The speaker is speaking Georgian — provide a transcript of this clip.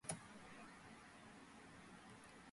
კაიროში უამრავი ღირსშესანიშნაობაა.